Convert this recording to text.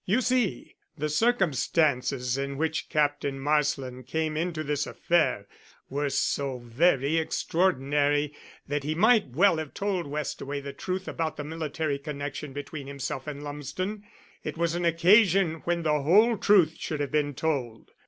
You see, the circumstances in which Captain Marsland came into this affair were so very extraordinary, that he might well have told Westaway the truth about the military connection between himself and Lumsden. It was an occasion when the whole truth should have been told.